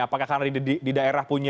apakah di daerah punya